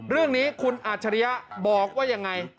เรื่องนี้คุณอัจฉริยะบอกว่ายังไง